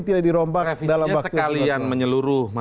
tidak dirompak dalam waktu yang berikutnya